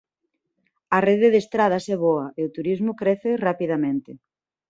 A rede de estradas é boa e o turismo crece rapidamente.